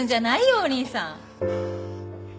お兄さん。